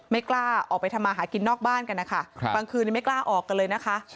ไม่กล้าออกไปทำมาหากินนอกบ้านกันนะคะบางคืนไม่กล้าออกกันเลยนะคะ